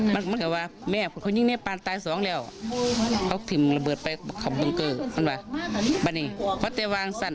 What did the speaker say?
หาคนเดี๋ยว้วยพูดแล้วคุยกับพี่จุก็ครบอย่างนี้คืน๓ถีน